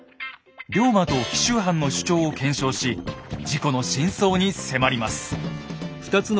龍馬と紀州藩の主張を検証し事故の真相に迫ります。